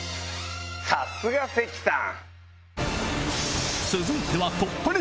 さすが関さん。